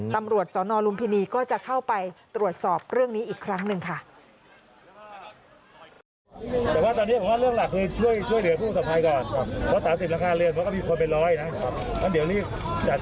ตำรวจสนลุมพินีก็จะเข้าไปตรวจสอบเรื่องนี้อีกครั้งหนึ่งค่ะ